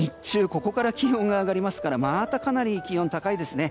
ここから気温が上がりますからまたかなり気温が高いですね。